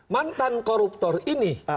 mantan koruptor ini